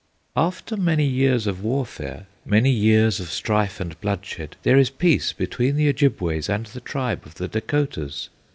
"After many years of warfare, Many years of strife and bloodshed, There is peace between the Ojibways And the tribe of the Dacotahs."